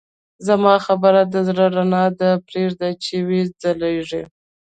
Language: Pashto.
زما خبرې د زړه رڼا ده، پرېږده چې وځلېږي.